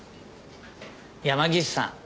山岸さん